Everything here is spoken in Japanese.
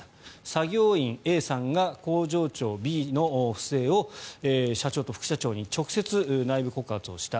作業員Ａさんが工場長Ｂの不正を社長と副社長に直接、内部告発をした。